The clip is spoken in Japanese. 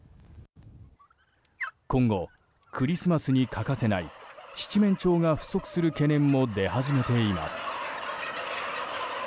今後、クリスマスに欠かせない七面鳥が不足する懸念も出始めています。